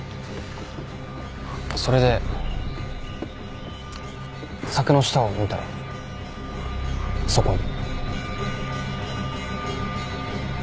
それで柵の下を見たらそこに。